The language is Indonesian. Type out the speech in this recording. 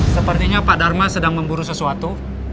sepertinya pak dharma sedang memburu sesuatu